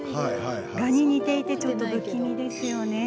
ガに似ていてちょっと不気味ですよね。